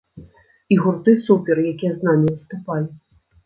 І гурты супер, якія з намі выступалі.